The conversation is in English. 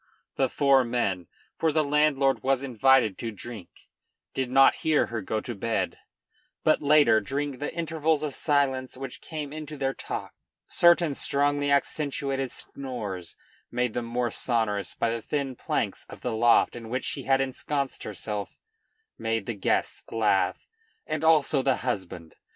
The four men, for the landlord was invited to drink, did not hear her go to bed, but later, during the intervals of silence which came into their talk, certain strongly accentuated snores, made the more sonorous by the thin planks of the loft in which she had ensconced herself, made the guests laugh and also the husband.